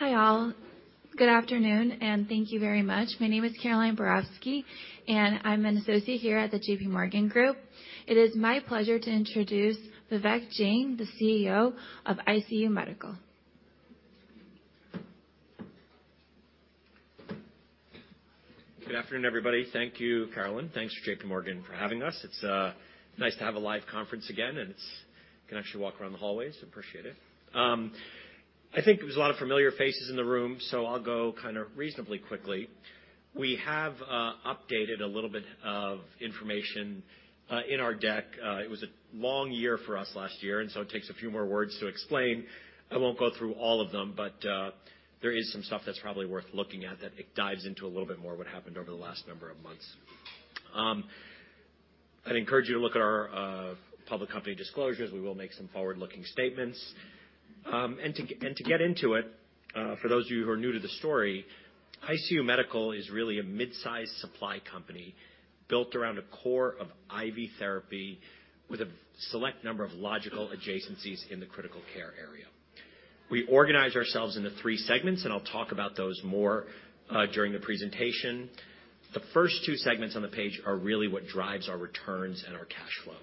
Hi, all. Good afternoon, and thank you very much. My name is Caroline Borowski, and I'm an Associate here at the JPMorgan group. It is my pleasure to introduce Vivek Jain, the CEO of ICU Medical. Good afternoon, everybody. Thank you, Caroline. Thanks to JPMorgan for having us. It's nice to have a live conference again, and you can actually walk around the hallways. Appreciate it. I think there's a lot of familiar faces in the room, so I'll go kind of reasonably quickly. We have updated a little bit of information in our deck. It was a long year for us last year. It takes a few more words to explain. I won't go through all of them. There is some stuff that's probably worth looking at that it dives into a little bit more what happened over the last number of months. I'd encourage you to look at our public company disclosures. We will make some forward-looking statements. To get into it, for those of you who are new to the story, ICU Medical is really a mid-sized supply company built around a core of IV therapy with a select number of logical adjacencies in the Critical Care area. We organize ourselves into three segments, and I'll talk about those more during the presentation. The first two segments on the page are really what drives our returns and our cash flow.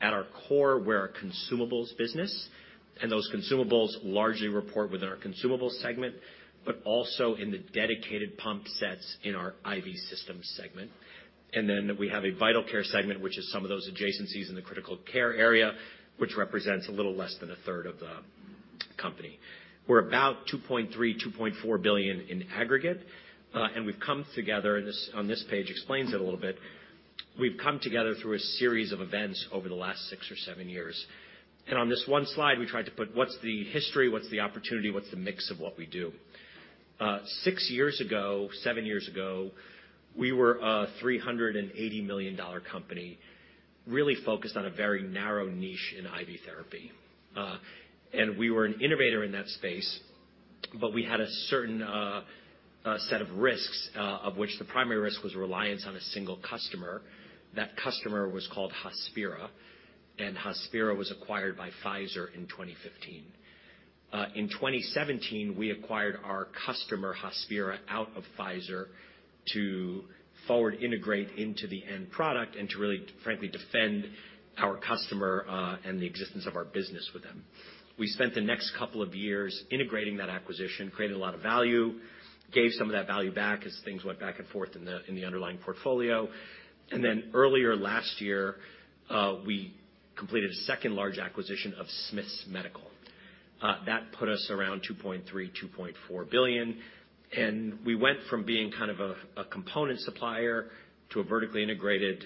At our core, we're a Consumables business, and those Consumables largely report within our Consumables segment, but also in the dedicated pump sets in our IV Systems segment. Then we have a Vital Care segment, which is some of those adjacencies in the Critical Care area, which represents a little less than a third of the company. We're about $2.3 billion-$2.4 billion in aggregate, and we've come together, and this, on this page explains it a little bit. We've come together through a series of events over the last six or seven years. On this one slide, we tried to put what's the history, what's the opportunity, what's the mix of what we do. Six years ago, seven years ago, we were a $380 million company really focused on a very narrow niche in IV therapy. We were an innovator in that space, but we had a certain set of risks, of which the primary risk was reliance on a single customer. That customer was called Hospira, and Hospira was acquired by Pfizer in 2015. In 2017, we acquired our customer, Hospira, out of Pfizer to forward integrate into the end product and to really, frankly, defend our customer and the existence of our business with them. We spent the next couple of years integrating that acquisition, creating a lot of value, gave some of that value back as things went back and forth in the, in the underlying portfolio. Earlier last year, we completed a second large acquisition of Smiths Medical. That put us around $2.3 billion-$2.4 billion. We went from being kind of a component supplier to a vertically integrated,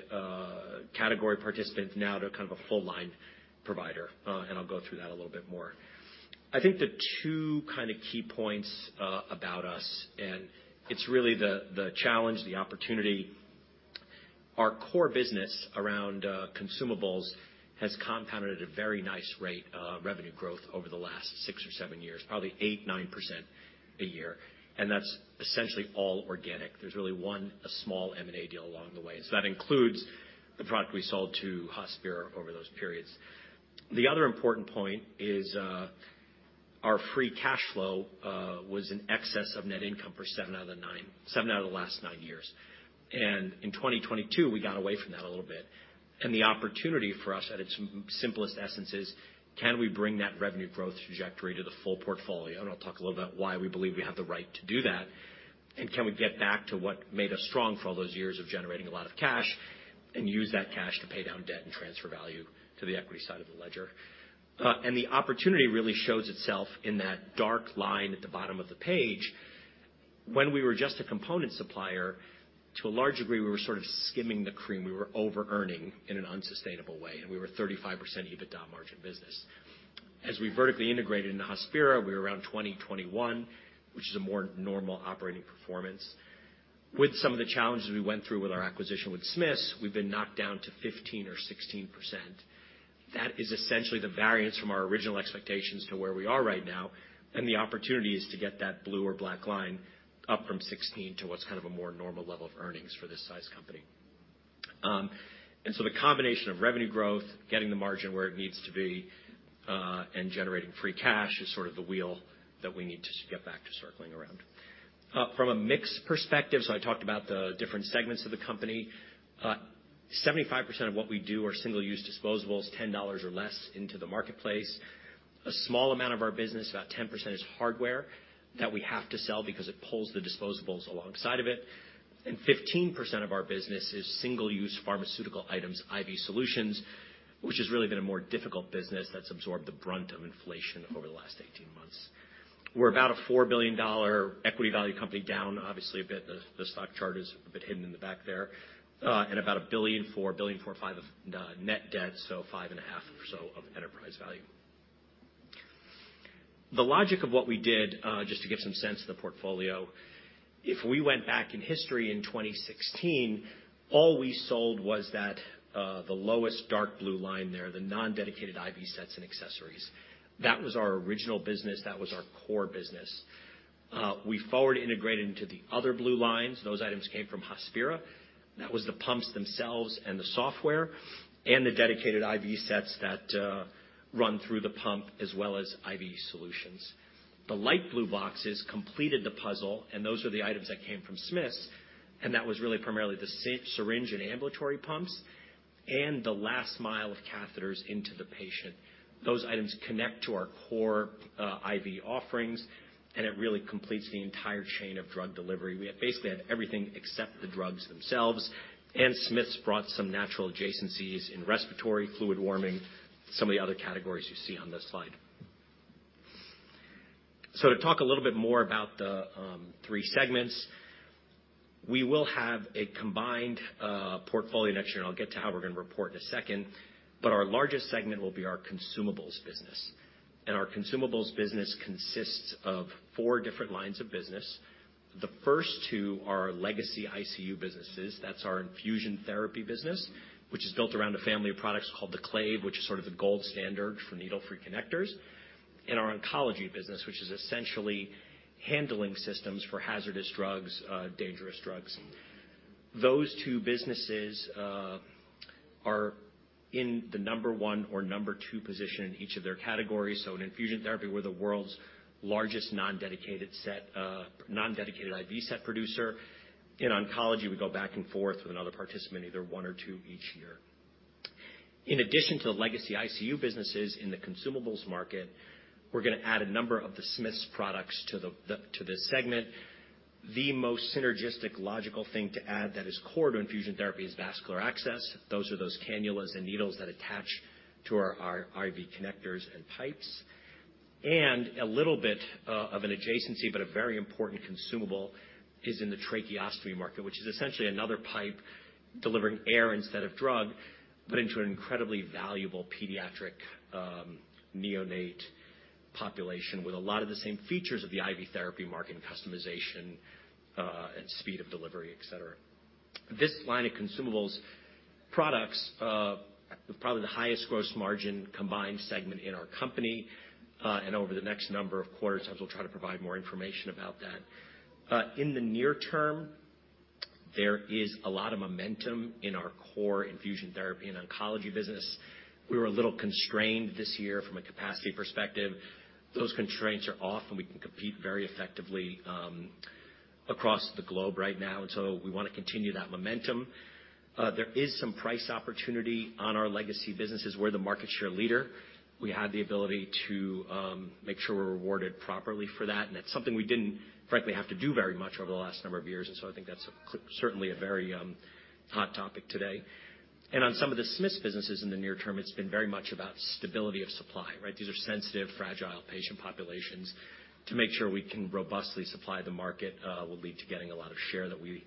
category participant now to kind of a full line provider. I'll go through that a little bit more. I think the two kind of key points about us, and it's really the challenge, the opportunity. Our core business around Consumables has compounded at a very nice rate of revenue growth over the last six or seven years, probably 8%, 9% a year. That's essentially all organic. There's really one, a small M&A deal along the way. That includes the product we sold to Hospira over those periods. The other important point is, our free cash flow was in excess of net income for seven out of the last nine years. In 2022, we got away from that a little bit. The opportunity for us at its simplest essence is, can we bring that revenue growth trajectory to the full portfolio? I'll talk a little about why we believe we have the right to do that. Can we get back to what made us strong for all those years of generating a lot of cash and use that cash to pay down debt and transfer value to the equity side of the ledger? The opportunity really shows itself in that dark line at the bottom of the page. When we were just a component supplier, to a large degree, we were sort of skimming the cream. We were overearning in an unsustainable way, and we were 35% EBITDA margin business. As we vertically integrated into Hospira, we were around 2020, 2021, which is a more normal operating performance. With some of the challenges we went through with our acquisition with Smiths, we've been knocked down to 15% or 16%. That is essentially the variance from our original expectations to where we are right now. The opportunity is to get that blue or black line up from 16 to what's kind of a more normal level of earnings for this size company. The combination of revenue growth, getting the margin where it needs to be, and generating free cash is sort of the wheel that we need to get back to circling around. From a mix perspective, I talked about the different segments of the company. 75% of what we do are single-use disposables, $10 or less into the marketplace. A small amount of our business, about 10%, is hardware that we have to sell because it pulls the disposables alongside of it. 15% of our business is single-use pharmaceutical items, IV Solutions, which has really been a more difficult business that's absorbed the brunt of inflation over the last 18 months. We're about a $4 billion equity value company, down obviously a bit. The stock chart is a bit hidden in the back there. About $1.45 billion of net debt, so five and a half billion or so of enterprise value. The logic of what we did, just to give some sense of the portfolio, if we went back in history in 2016, all we sold was that, the lowest dark blue line there, the non-dedicated IV sets and accessories. That was our original business. That was our core business. We forward integrated into the other blue lines. Those items came from Hospira. That was the pumps themselves and the software and the dedicated IV sets that run through the pump as well as IV Solutions. The light blue boxes completed the puzzle. Those are the items that came from Smiths. That was really primarily the syringe and ambulatory pumps and the last mile of catheters into the patient. Those items connect to our core IV offerings. It really completes the entire chain of drug delivery. We basically had everything except the drugs themselves. Smiths brought some natural adjacencies in respiratory, fluid warming, some of the other categories you see on this slide. To talk a little bit more about the three segments. We will have a combined portfolio next year. I'll get to how we're gonna report in a second. Our largest segment will be our Consumables business. Our Consumables business consists of four different lines of business. The first two are our Legacy ICU businesses. That's our infusion therapy business, which is built around a family of products called the Clave, which is sort of the gold standard for needle-free connectors. In our oncology business, which is essentially handling systems for hazardous drugs, dangerous drugs. Those two businesses are in the number one or number two position in each of their categories. In infusion therapy, we're the world's largest non-dedicated set, non-dedicated IV set producer. In oncology, we go back and forth with another participant, either one or two each year. In addition to the Legacy ICU businesses in the Consumables market, we're gonna add a number of the Smiths products to this segment. The most synergistic, logical thing to add that is core to infusion therapy is vascular access. Those are those cannulas and needles that attach to our IV connectors and pipes. A little bit of an adjacency, but a very important consumable is in the tracheostomy market, which is essentially another pipe delivering air instead of drug, but into an incredibly valuable pediatric neonate population with a lot of the same features of the IV therapy market and customization and speed of delivery, et cetera. This line of Consumables products, probably the highest gross margin combined segment in our company, and over the next number of quarter times, we'll try to provide more information about that. In the near term, there is a lot of momentum in our core infusion therapy and oncology business. We were a little constrained this year from a capacity perspective. Those constraints are off, we can compete very effectively across the globe right now, we wanna continue that momentum. There is some price opportunity on our Legacy businesses. We're the market share leader. We have the ability to make sure we're rewarded properly for that's something we didn't frankly have to do very much over the last number of years. I think that's certainly a very hot topic today. On some of the Smiths businesses in the near term, it's been very much about stability of supply, right? These are sensitive, fragile patient populations. To make sure we can robustly supply the market will lead to getting a lot of share that we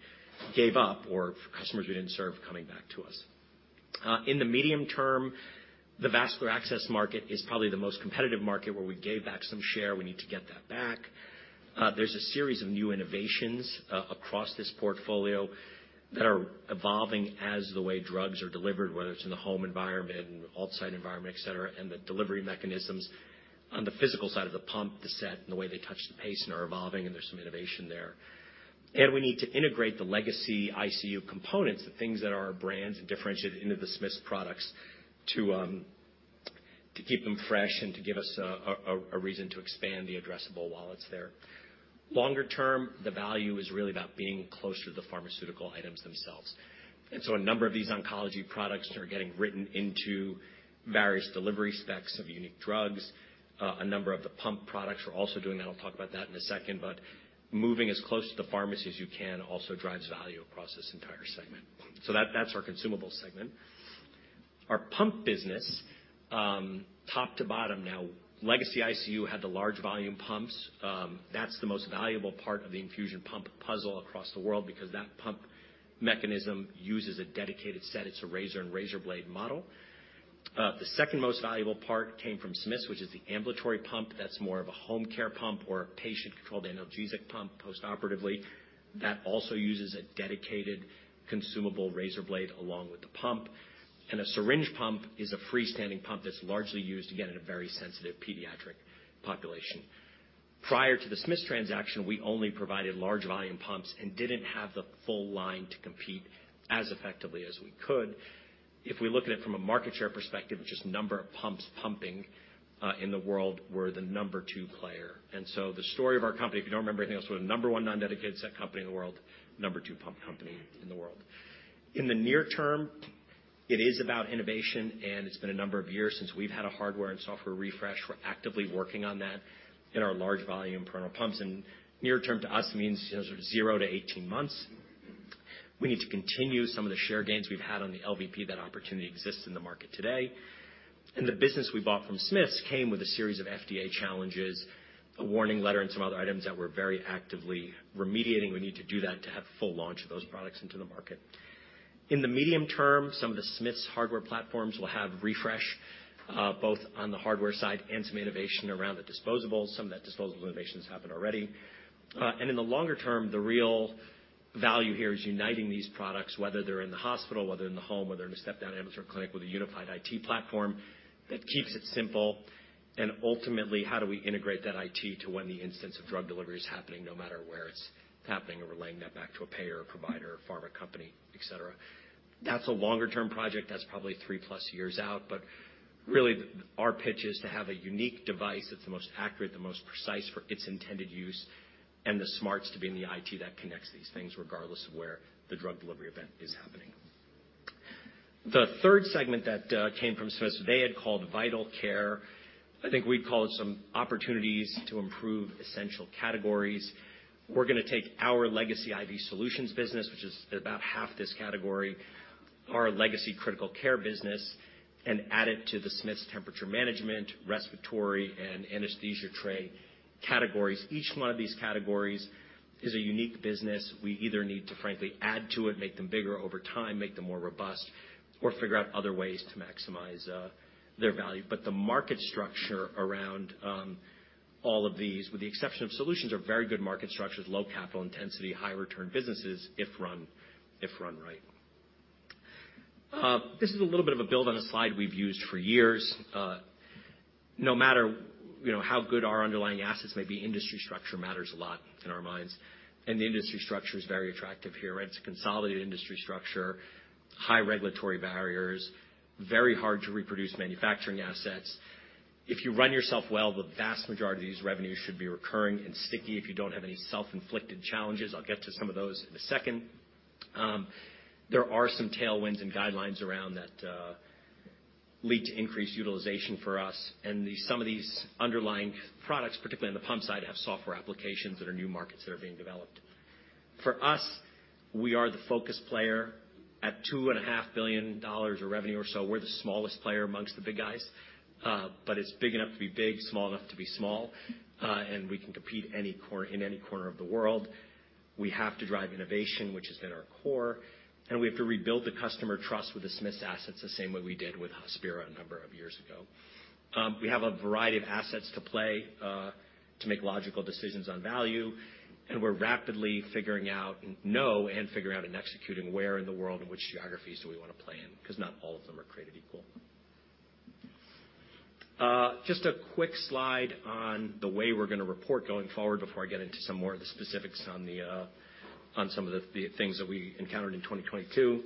gave up or customers we didn't serve coming back to us. In the medium term, the vascular access market is probably the most competitive market where we gave back some share. We need to get that back. There's a series of new innovations across this portfolio that are evolving as the way drugs are delivered, whether it's in the home environment, alt site environment, et cetera, and the delivery mechanisms on the physical side of the pump, the set, and the way they touch the patient are evolving, and there's some innovation there. We need to integrate the Legacy ICU components, the things that are our brands and differentiate into the Smiths products to keep them fresh and to give us a reason to expand the addressable while it's there. Longer term, the value is really about being closer to the pharmaceutical items themselves. A number of these oncology products are getting written into various delivery specs of unique drugs. A number of the pump products, we're also doing that. I'll talk about that in a second, but moving as close to the pharmacy as you can also drives value across this entire segment. That, that's our consumable segment. Our pump business, top to bottom now, Legacy ICU had the Large Volume Pumps. That's the most valuable part of the infusion pump puzzle across the world because that pump mechanism uses a dedicated set. It's a razor and razor blade model. The second most valuable part came from Smiths, which is the ambulatory pump. That's more of a home care pump or a patient-controlled analgesia pump postoperatively. That also uses a dedicated consumable razor blade along with the pump. A syringe pump is a freestanding pump that's largely used, again, in a very sensitive pediatric population. Prior to the Smiths transaction, we only provided Large Volume Pumps and didn't have the full line to compete as effectively as we could. If we look at it from a market share perspective, just number of pumps pumping in the world, we're the number two player. The story of our company, if you don't remember anything else, we're the number one non-dedicated set company in the world, number two pump company in the world. In the near term, it is about innovation, and it's been a number of years since we've had a hardware and software refresh. We're actively working on that in our large volume parenteral pumps. Near term to us means zero to 18 months. We need to continue some of the share gains we've had on the LVP. That opportunity exists in the market today. The business we bought from Smiths came with a series of FDA challenges, a warning letter, and some other items that we're very actively remediating. We need to do that to have full launch of those products into the market. In the medium term, some of the Smiths hardware platforms will have refresh, both on the hardware side and some innovation around the disposables. Some of that disposable innovations happened already. In the longer term, the real value here is uniting these products, whether they're in the hospital, whether in the home, whether in a step-down ambulatory clinic with a unified IT platform that keeps it simple. Ultimately, how do we integrate that IT to when the instance of drug delivery is happening, no matter where it's happening, and relaying that back to a payer, a provider, a pharma company, et cetera. That's a longer-term project. That's probably three plus years out. Really our pitch is to have a unique device that's the most accurate, the most precise for its intended use, and the smarts to be in the IT that connects these things, regardless of where the drug delivery event is happening. The third segment that came from Smiths, they had called Vital Care. I think we'd call it some opportunities to improve essential categories. We're gonna take our legacy IV Solutions business, which is about half this category, our legacy Critical Care business, and add it to the Smiths Temperature Management, Respiratory, and Anesthesia tray categories. Each one of these categories is a unique business. We either need to frankly add to it, make them bigger over time, make them more robust, or figure out other ways to maximize their value. The market structure around all of these, with the exception of Solutions, are very good market structures, low capital intensity, high return businesses if run right. This is a little bit of a build on a slide we've used for years. No matter, you know, how good our underlying assets may be, industry structure matters a lot in our minds, and the industry structure is very attractive here, right? It's a consolidated industry structure, high regulatory barriers, very hard to reproduce manufacturing assets. If you run yourself well, the vast majority of these revenues should be recurring and sticky if you don't have any self-inflicted challenges. I'll get to some of those in a second. There are some tailwinds and guidelines around that, lead to increased utilization for us. Some of these underlying products, particularly on the pump side, have software applications that are new markets that are being developed. For us, we are the focus player. At $2.5 billion of revenue or so, we're the smallest player amongst the big guys. It's big enough to be big, small enough to be small, and we can compete in any corner of the world. We have to drive innovation, which has been our core, and we have to rebuild the customer trust with the Smiths assets the same way we did with Hospira a number of years ago. We have a variety of assets to play to make logical decisions on value, and we're rapidly figuring out and executing where in the world, in which geographies do we wanna play in, 'cause not all of them are created equal. Just a quick slide on the way we're gonna report going forward before I get into some more of the specifics on some of the things that we encountered in 2022.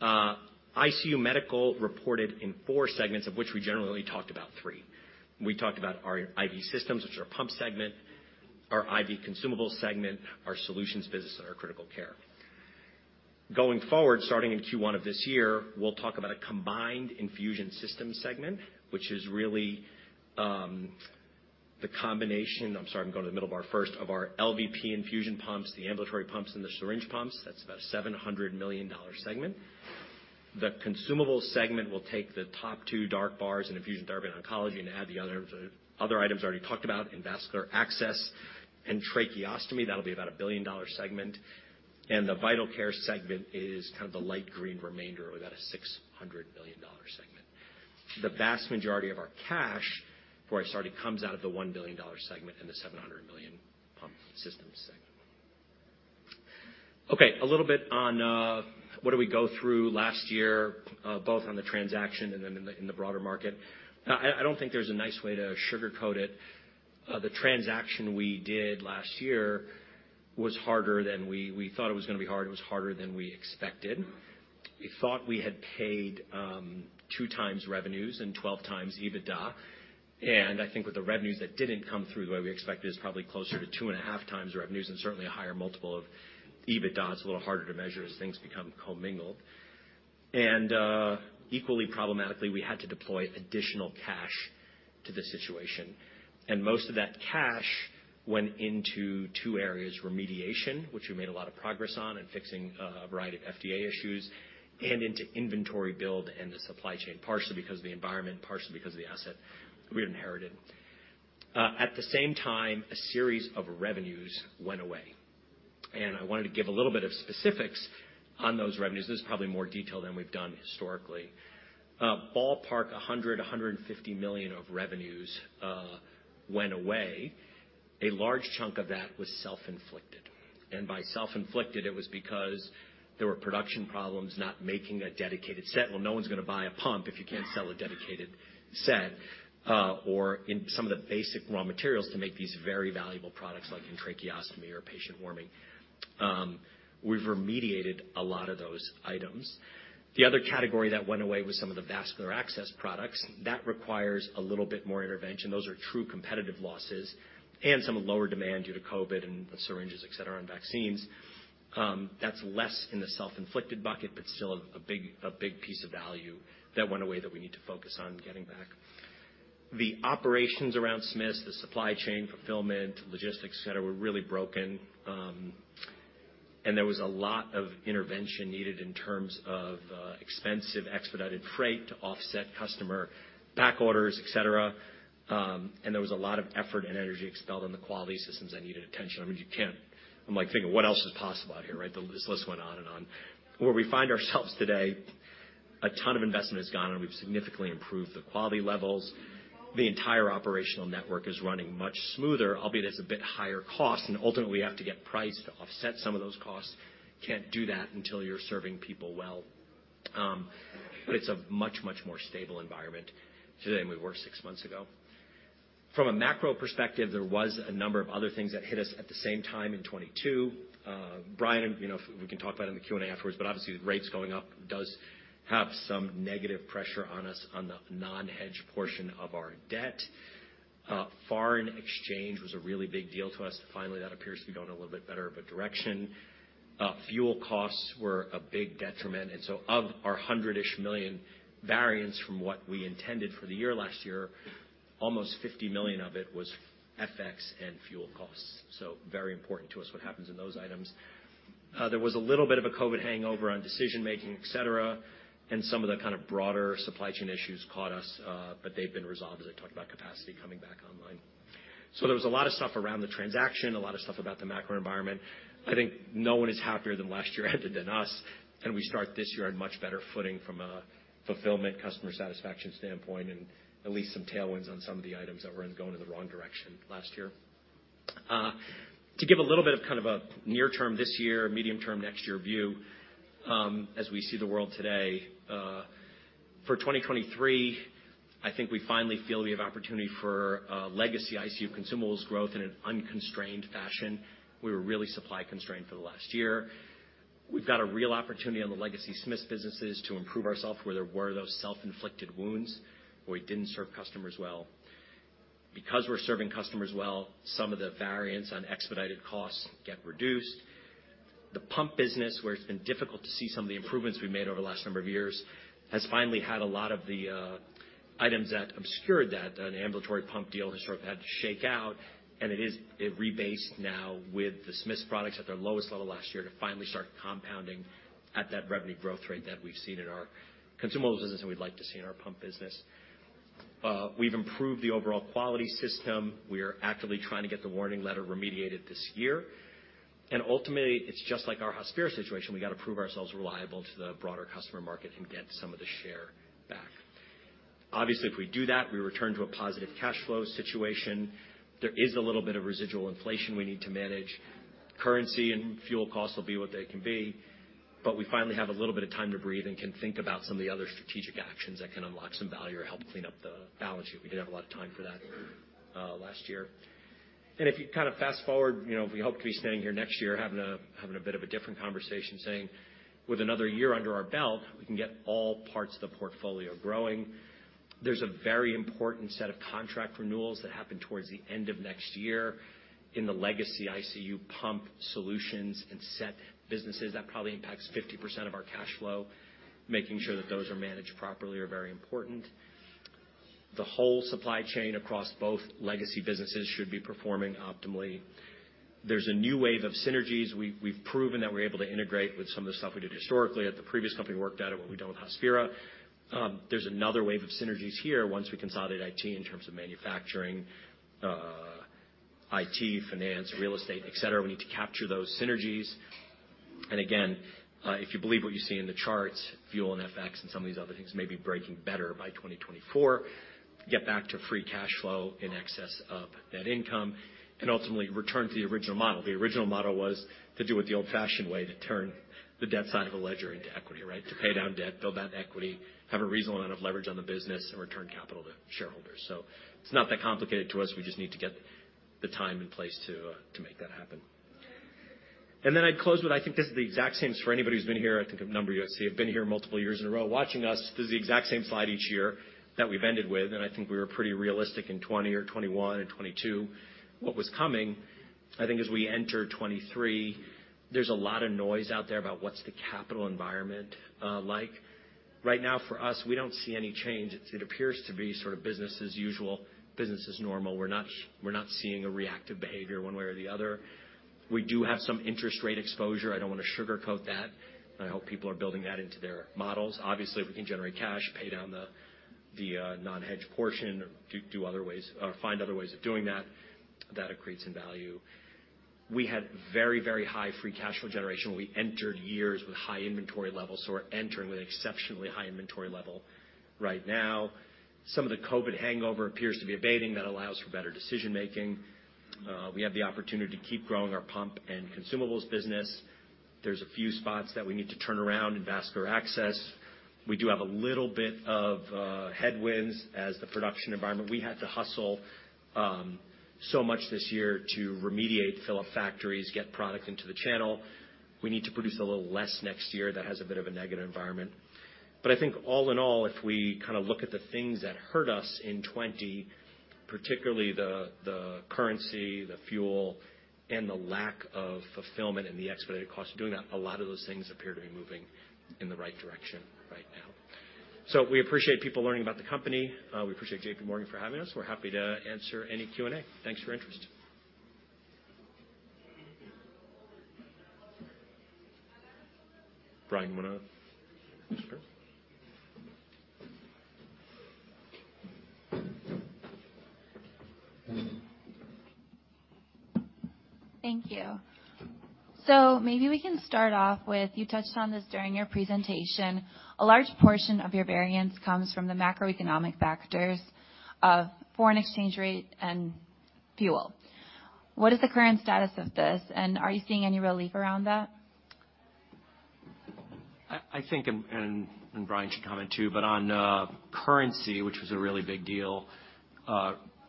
ICU Medical reported in four segments, of which we generally talked about three. We talked about our IV Systems, which are pump segment, our IV Consumables segment, our solutions business, and our Critical Care. Going forward, starting in Q1 of this year, we'll talk about a combined infusion system segment, which is really, the combination, I'm sorry, I'm going to the middle bar first, of our LVP infusion pumps, the ambulatory pumps and the syringe pumps. That's about $700 million segment. The Consumable segment will take the top two dark bars in infusion therapy and oncology and add the other items I already talked about, vascular access and tracheostomy. That'll be about a $1 billion segment. The Vital Care segment is kind of the light green remainder or about a $600 million segment. The vast majority of our cash, before I start, it comes out of the $1 billion segment and the $700 million pump Systems segment. Okay, a little bit on, what did we go through last year, both on the transaction and then in the, in the broader market. I don't think there's a nice way to sugarcoat it. The transaction we did last year was harder than we thought it was gonna be hard. It was harder than we expected. We thought we had paid, 2x revenues and 12x EBITDA. I think with the revenues that didn't come through the way we expected, it's probably closer to 2.5x revenues and certainly a higher multiple of EBITDA. It's a little harder to measure as things become commingled. Equally problematically, we had to deploy additional cash to the situation, and most of that cash went into two areas, remediation, which we made a lot of progress on in fixing a variety of FDA issues, and into inventory build and the supply chain, partially because of the environment, partially because of the asset we had inherited. At the same time, a series of revenues went away, and I wanted to give a little bit of specifics on those revenues. This is probably more detail than we've done historically. Ballpark $100 million-$150 million of revenues went away. A large chunk of that was self-inflicted, and by self-inflicted, it was because there were production problems not making a dedicated set. Well, no one's gonna buy a pump if you can't sell a dedicated set, or in some of the basic raw materials to make these very valuable products, like in tracheostomy or patient warming. We've remediated a lot of those items. The other category that went away was some of the vascular access products. That requires a little bit more intervention. Those are true competitive losses and some of lower demand due to COVID and syringes, et cetera, and vaccines. That's less in the self-inflicted bucket, but still a big piece of value that went away that we need to focus on getting back. The operations around Smiths, the supply chain fulfillment, logistics, et cetera, were really broken. There was a lot of intervention needed in terms of expensive expedited freight to offset customer back orders, et cetera. There was a lot of effort and energy expelled on the quality systems that needed attention. I mean, you can't I'm like thinking, "What else is possible out here," right? This list went on and on. Where we find ourselves today, a ton of investment has gone on. We've significantly improved the quality levels. The entire operational network is running much smoother, albeit it's a bit higher cost, and ultimately, we have to get price to offset some of those costs. Can't do that until you're serving people well. It's a much, much more stable environment today than we were six months ago. From a macro perspective, there was a number of other things that hit us at the same time in 2022. Brian, you know, we can talk about it in the Q&A afterwards, but obviously with rates going up does have some negative pressure on us on the non-hedge portion of our debt. Foreign exchange was a really big deal to us. Finally, that appears to be going a little bit better of a direction. Fuel costs were a big detriment. Of our $100-ish million variance from what we intended for the year last year, almost $50 million of it was FX and fuel costs. Very important to us what happens in those items. There was a little bit of a COVID hangover on decision-making, et cetera, some of the kind of broader supply chain issues caught us, they've been resolved as I talked about capacity coming back online. There was a lot of stuff around the transaction, a lot of stuff about the macro environment. I think no one is happier than last year ended than us, and we start this year on much better footing from a fulfillment customer satisfaction standpoint, and at least some tailwinds on some of the items that were going in the wrong direction last year. To give a little bit of kind of a near term this year, medium term next year view, as we see the world today, for 2023, I think we finally feel we have opportunity for a Legacy ICU Consumables growth in an unconstrained fashion. We were really supply-constrained for the last year. We've got a real opportunity on the legacy Smiths businesses to improve ourself where there were those self-inflicted wounds where we didn't serve customers well. Because we're serving customers well, some of the variants on expedited costs get reduced. The pump business, where it's been difficult to see some of the improvements we've made over the last number of years, has finally had a lot of the items that obscured that. An ambulatory pump deal has sort of had to shake out, and it is rebased now with the Smiths products at their lowest level last year to finally start compounding at that revenue growth rate that we've seen in our Consumables business and we'd like to see in our pump business. We've improved the overall quality system. We are actively trying to get the warning letter remediated this year. Ultimately, it's just like our Hospira situation. We gotta prove ourselves reliable to the broader customer market and get some of the share back. Obviously, if we do that, we return to a positive cash flow situation. There is a little bit of residual inflation we need to manage. Currency and fuel costs will be what they can be, but we finally have a little bit of time to breathe and can think about some of the other strategic actions that can unlock some value or help clean up the balance sheet. We didn't have a lot of time for that last year. If you kind of fast-forward, you know, we hope to be standing here next year having a bit of a different conversation, saying, "With another year under our belt, we can get all parts of the portfolio growing." There's a very important set of contract renewals that happen towards the end of next year in the Legacy ICU pump solutions and set businesses. That probably impacts 50% of our cash flow. Making sure that those are managed properly are very important. The whole supply chain across both legacy businesses should be performing optimally. There's a new wave of synergies. We've proven that we're able to integrate with some of the stuff we did historically at the previous company we worked at and what we've done with Hospira. There's another wave of synergies here once we consolidate IT in terms of manufacturing, IT, finance, real estate, et cetera. We need to capture those synergies. Again, if you believe what you see in the charts, fuel and FX and some of these other things may be breaking better by 2024, get back to free cash flow in excess of net income, and ultimately return to the original model. The original model was to do it the old-fashioned way, to turn the debt side of a ledger into equity, right? To pay down debt, build out equity, have a reasonable amount of leverage on the business, and return capital to shareholders. It's not that complicated to us. We just need to get the time and place to make that happen. Then I'd close with, I think this is the exact same slide. For anybody who's been here, I think a number of you I see have been here multiple years in a row watching us, this is the exact same slide each year that we've ended with, I think we were pretty realistic in 2020 or 2021 and 2022 what was coming. I think as we enter 2023, there's a lot of noise out there about what's the capital environment like. Right now, for us, we don't see any change. It appears to be sort of business as usual, business as normal. We're not seeing a reactive behavior one way or the other. We do have some interest rate exposure. I don't wanna sugarcoat that, and I hope people are building that into their models. Obviously, if we can generate cash, pay down the non-hedged portion or do other ways, or find other ways of doing that accretes in value. We had very, very high free cash flow generation. We entered years with high inventory levels, so we're entering with exceptionally high inventory level right now. Some of the COVID hangover appears to be abating. That allows for better decision-making. We have the opportunity to keep growing our pump and Consumables business. There's a few spots that we need to turn around in vascular access. We do have a little bit of headwinds as the production environment. We had to hustle so much this year to remediate, fill up factories, get product into the channel. We need to produce a little less next year. That has a bit of a negative environment. I think all in all, if we kind of look at the things that hurt us in 2020, particularly the currency, the fuel, and the lack of fulfillment and the expedited cost of doing that, a lot of those things appear to be moving in the right direction right now. We appreciate people learning about the company. We appreciate JPMorgan for having us. We're happy to answer any Q&A. Thanks for your interest. Brian, you wanna start? Thank you. Maybe we can start off with, you touched on this during your presentation. A large portion of your variance comes from the macroeconomic factors of foreign exchange rate and fuel. What is the current status of this, and are you seeing any relief around that? I think Brian should comment, too, on currency, which was a really big deal.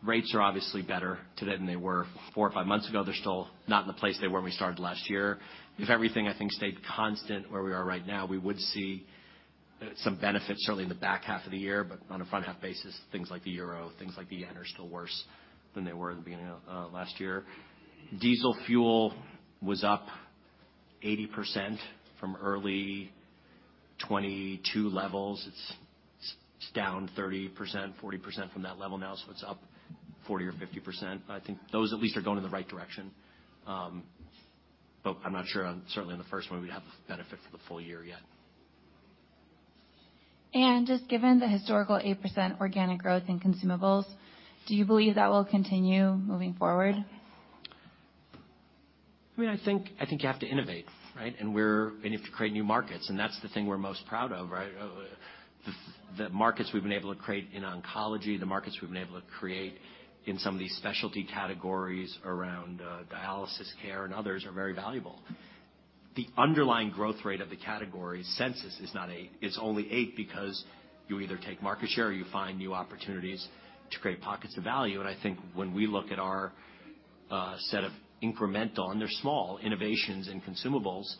Rates are obviously better today than they were four or five months ago. They're still not in the place they were when we started last year. If everything, I think, stayed constant where we are right now, we would see some benefit certainly in the back half of the year, on a front half basis, things like the euro, things like the yen are still worse than they were at the beginning of last year. Diesel fuel was up 80% from early 2022 levels. It's down 30%-40% from that level now, it's up 40% or 50%. I think those at least are going in the right direction. I'm not sure on certainly on the first one we'd have the benefit for the full year yet. Just given the historical 8% organic growth in Consumables, do you believe that will continue moving forward? I mean, I think you have to innovate, right? You have to create new markets, and that's the thing we're most proud of, right? The markets we've been able to create in oncology, the markets we've been able to create in some of these specialty categories around dialysis care and others are very valuable. The underlying growth rate of the category census is not eight. It's only eight because you either take market share or you find new opportunities to create pockets of value. I think when we look at our set of incremental, and they're small, innovations in Consumables,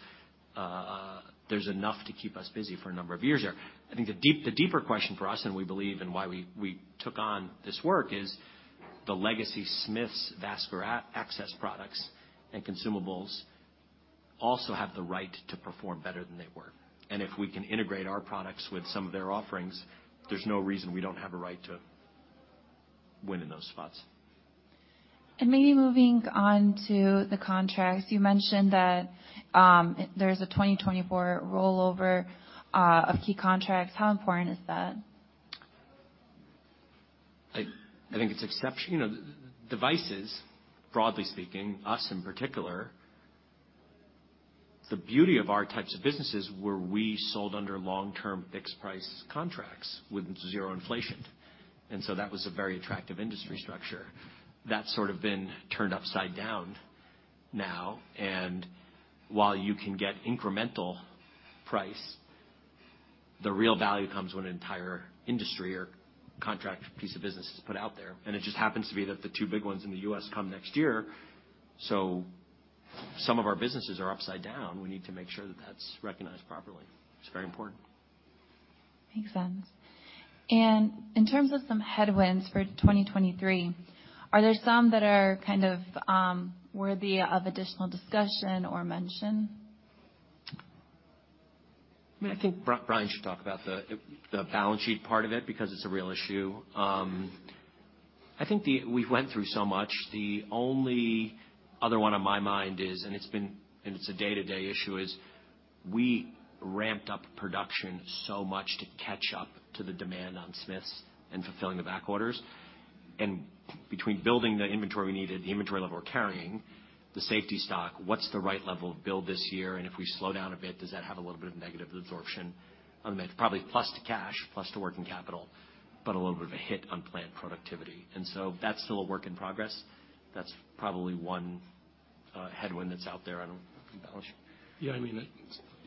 there's enough to keep us busy for a number of years there. I think the deeper question for us, and we believe and why we took on this work, is the legacy Smiths vascular access products and Consumables also have the right to perform better than they were. If we can integrate our products with some of their offerings, there's no reason we don't have a right to win in those spots. Maybe moving on to the contracts. You mentioned that there's a 2024 rollover of key contracts. How important is that? I think it's You know, devices, broadly speaking, us in particular, the beauty of our types of businesses were we sold under long-term fixed price contracts with zero inflation. That was a very attractive industry structure. That's sort of been turned upside down now. While you can get incremental price, the real value comes when an entire industry or contract piece of business is put out there. It just happens to be that the two big ones in the U.S. come next year, some of our businesses are upside down. We need to make sure that that's recognized properly. It's very important. Makes sense. In terms of some headwinds for 2023, are there some that are kind of, worthy of additional discussion or mention? I mean, I think Brian should talk about the balance sheet part of it because it's a real issue. I think we've went through so much. The only other one on my mind is, and it's a day-to-day issue, is we ramped up production so much to catch up to the demand on Smiths and fulfilling the back orders. Between building the inventory we needed, the inventory level we're carrying, the safety stock, what's the right level of build this year? If we slow down a bit, does that have a little bit of negative absorption? Probably plus to cash, plus to working capital, but a little bit of a hit on plant productivity. That's still a work in progress. That's probably one headwind that's out there. Balance sheet. Yeah, I mean,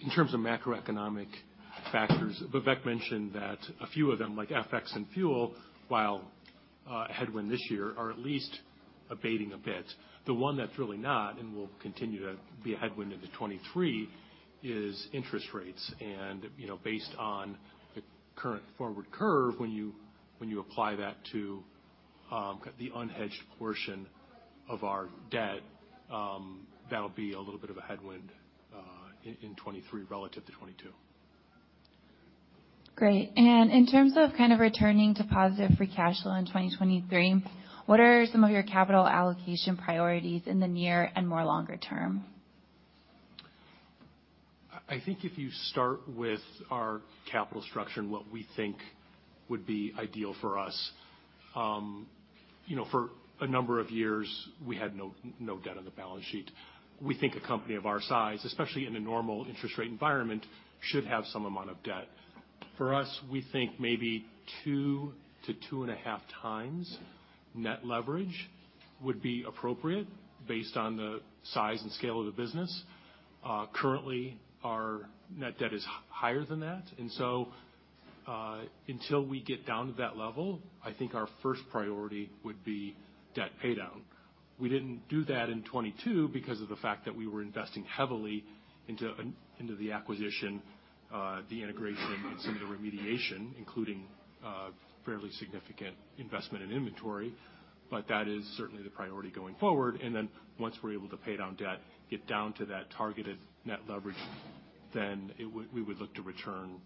in terms of macroeconomic factors, Vivek mentioned that a few of them, like FX and fuel, while a headwind this year, are at least abating a bit. The one that's really not and will continue to be a headwind into 2023 is interest rates. You know, based on the current forward curve, when you, when you apply that to the unhedged portion of our debt, that'll be a little bit of a headwind in 2023 relative to 2022. Great. In terms of kind of returning to positive free cash flow in 2023, what are some of your capital allocation priorities in the near and more longer term? I think if you start with our capital structure and what we think would be ideal for us, you know, for a number of years, we had no debt on the balance sheet. We think a company of our size, especially in a normal interest rate environment, should have some amount of debt. For us, we think maybe 2 to 2.5x net leverage would be appropriate based on the size and scale of the business. Currently, our net debt is higher than that. Until we get down to that level, I think our first priority would be debt paydown. We didn't do that in 2022 because of the fact that we were investing heavily into the acquisition, the integration and some of the remediation, including, fairly significant investment in inventory. That is certainly the priority going forward. Once we're able to pay down debt, get down to that targeted net leverage, then we would look to return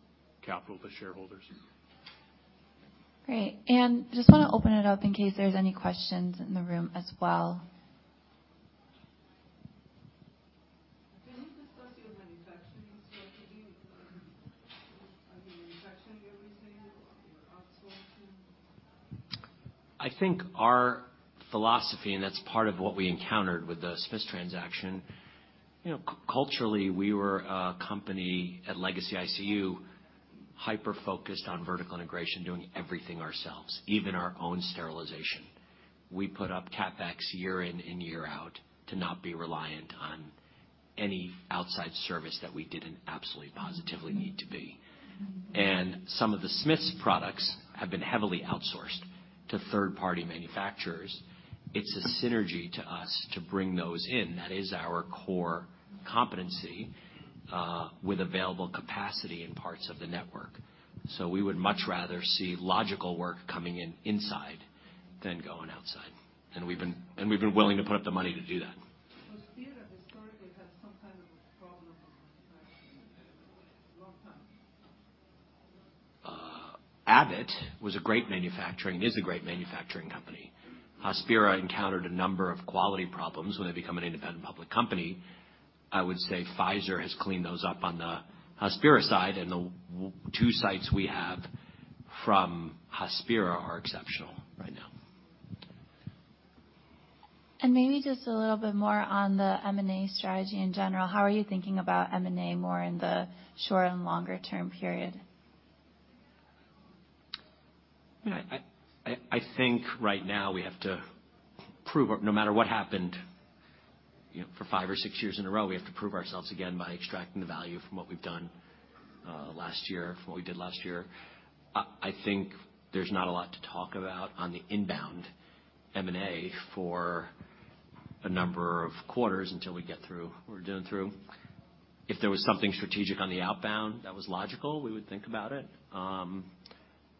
capital to shareholders. Great. Just want to open it up in case there's any questions in the room as well. Can you discuss your manufacturing strategy? Are you manufacturing everything or you're outsourcing? I think our philosophy, and that's part of what we encountered with the Smiths transaction, you know, culturally, we were a company at Legacy ICU focused on vertical integration, doing everything ourselves, even our own sterilization. We put up CapEx year in and year out to not be reliant on any outside service that we didn't absolutely, positively need to be. Some of the Smiths products have been heavily outsourced to third-party manufacturers. It's a synergy to us to bring those in. That is our core competency with available capacity in parts of the network. We would much rather see logical work coming in inside than going outside. We've been willing to put up the money to do that. Hospira historically had some kind of a problem with manufacturing a long time. Abbott is a great manufacturing company. Hospira encountered a number of quality problems when they become an independent public company. I would say Pfizer has cleaned those up on the Hospira side, and the two sites we have from Hospira are exceptional right now. Maybe just a little bit more on the M&A strategy in general. How are you thinking about M&A more in the short and longer term period? I think right now we have to prove, no matter what happened, you know, for five or six years in a row, we have to prove ourselves again by extracting the value from what we've done, last year, from what we did last year. I think there's not a lot to talk about on the inbound M&A for a number of quarters until we get through. We're doing through. If there was something strategic on the outbound that was logical, we would think about it.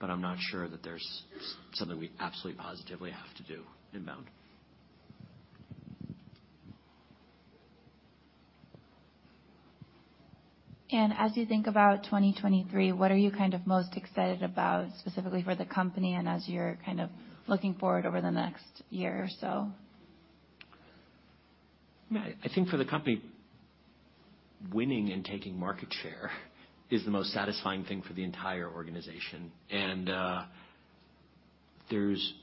I'm not sure that there's something we absolutely, positively have to do inbound. As you think about 2023, what are you kind of most excited about specifically for the company and as you're kind of looking forward over the next year or so? I think for the company, winning and taking market share is the most satisfying thing for the entire organization. There's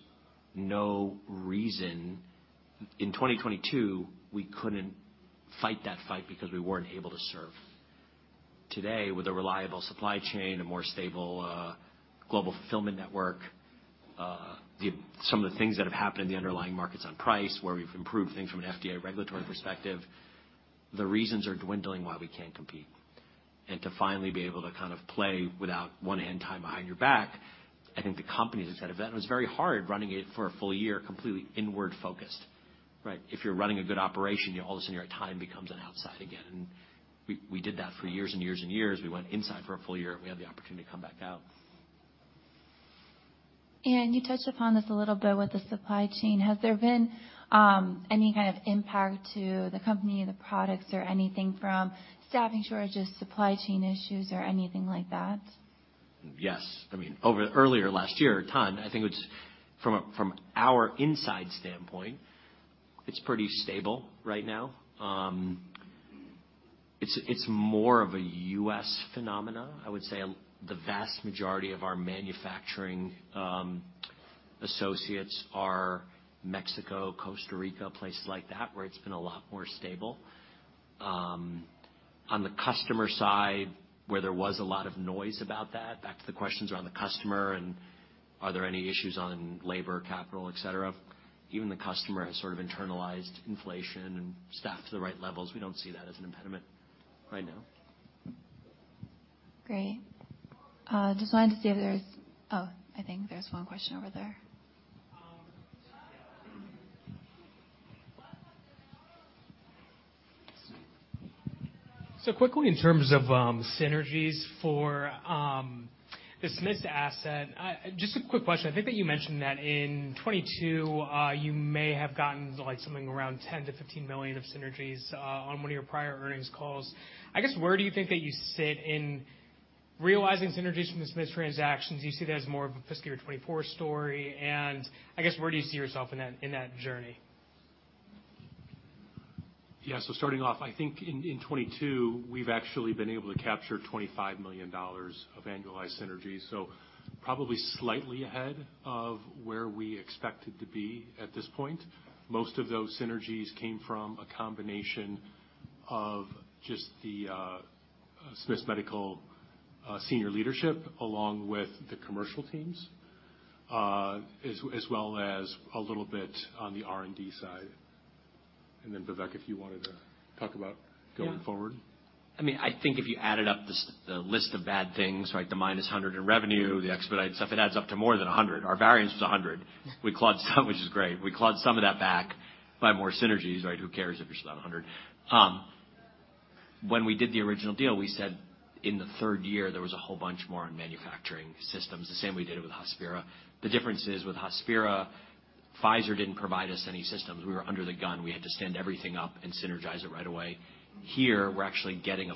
no reason. In 2022, we couldn't fight that fight because we weren't able to serve. Today, with a reliable supply chain, a more stable, global fulfillment network, some of the things that have happened in the underlying markets on price, where we've improved things from an FDA regulatory perspective, the reasons are dwindling why we can't compete. To finally be able to kind of play without one hand tied behind your back, I think the company is excited. That was very hard running it for a full year, completely inward-focused. Right? If you're running a good operation, all of a sudden, your time becomes on outside again. We did that for years and years and years. We went inside for a full year, and we had the opportunity to come back out. You touched upon this a little bit with the supply chain. Has there been any kind of impact to the company, the products or anything from staffing shortages, supply chain issues or anything like that? Yes. I mean, earlier last year, a ton. I think it's from our inside standpoint, it's pretty stable right now. It's more of a U.S. phenomena. I would say the vast majority of our manufacturing associates are Mexico, Costa Rica, places like that, where it's been a lot more stable. On the customer side, where there was a lot of noise about that, back to the questions around the customer and are there any issues on labor, capital, et cetera, even the customer has sort of internalized inflation and staffed to the right levels. We don't see that as an impediment right now. Great. Oh, I think there's one question over there. Quickly in terms of synergies for the Smiths asset, just a quick question. I think that you mentioned that in 2022, you may have gotten something around $10 million-$15 million of synergies on one of your prior earnings calls. I guess, where do you think that you sit in realizing synergies from the Smiths transactions? Do you see that as more of a fiscal year 2024 story? I guess, where do you see yourself in that, in that journey? Yeah. Starting off, I think in 2022, we've actually been able to capture $25 million of annualized synergies. Probably slightly ahead of where we expected to be at this point. Most of those synergies came from a combination of just the Smiths Medical senior leadership, along with the commercial teams, as well as a little bit on the R&D side. Vivek, if you wanted to talk about going forward. Yeah. I mean, I think if you added up this, the list of bad things, right, the -$100 in revenue, the expedite stuff, it adds up to more than $100. Our variance is $100. We clawed some, which is great. We clawed some of that back by more synergies, right? Who cares if it's not $100? When we did the original deal, we said in the third year, there was a whole bunch more on manufacturing systems, the same we did it with Hospira. The difference is, with Hospira, Pfizer didn't provide us any systems. We were under the gun. We had to stand everything up and synergize it right away. Here, we're actually getting a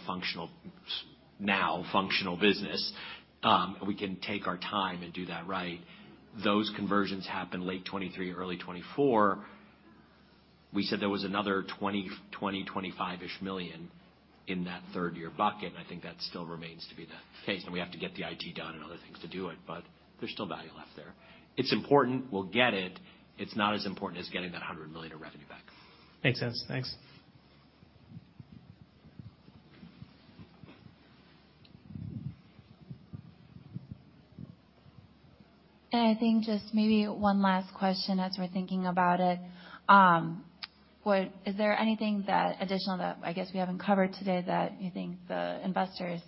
now functional business. We can take our time and do that right. Those conversions happen late 2023, early 2024. We said there was another $25-ish million in that third year bucket. I think that still remains to be the case. We have to get the IT done and other things to do it, but there's still value left there. It's important. We'll get it. It's not as important as getting that $100 million of revenue back. Makes sense. Thanks. I think just maybe one last question as we're thinking about it. Is there anything additional that I guess we haven't covered today that you think the investors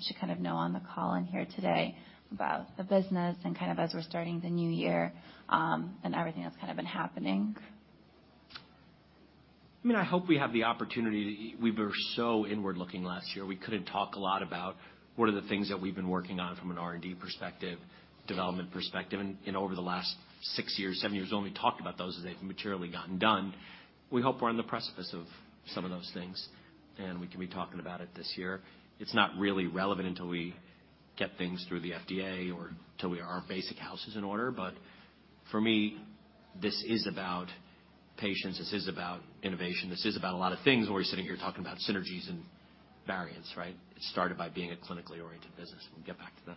should kind of know on the call in here today about the business and kind of as we're starting the new year, and everything that's kind of been happening? I mean, I hope we have the opportunity. We were so inward-looking last year. We couldn't talk a lot about what are the things that we've been working on from an R&D perspective, development perspective. Over the last six years, seven years, we've only talked about those as they've maturely gotten done. We hope we're on the precipice of some of those things, and we can be talking about it this year. It's not really relevant until we get things through the FDA or our basic house is in order. For me, this is about patients. This is about innovation. This is about a lot of things, and we're sitting here talking about synergies and variance, right? It started by being a clinically oriented business. We'll get back to that.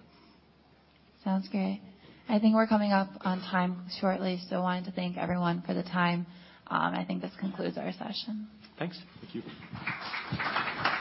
Sounds great. I think we're coming up on time shortly. Wanted to thank everyone for the time. I think this concludes our session. Thanks. Thank you.